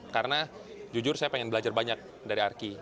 karena jujur saya ingin belajar banyak dari arki